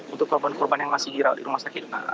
untuk korban korban yang masih dirawat di rumah sakit